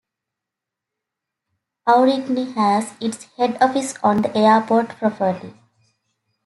Aurigny has its head office on the airport property.